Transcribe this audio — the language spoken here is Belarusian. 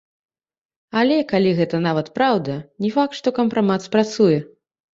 Але, калі гэта нават праўда, не факт, што кампрамат спрацуе.